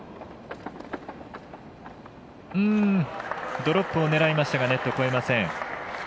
ドロップを狙いましたがネット越えません。